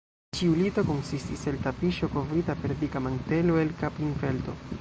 Ĉiu lito konsistis el tapiŝo, kovrita per dika mantelo el kaprinfelto.